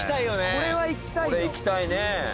「これいきたいね」